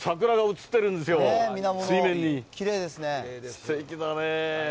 すてきだね。